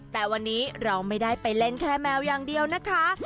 แต่วันนี้เราไม่ได้ไปเล่นแค่แมวอย่างเดียวนะคะ